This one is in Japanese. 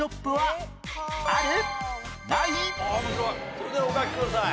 それではお書きください。